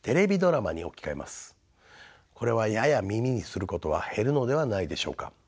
これはやや耳にすることは減るのではないでしょうか。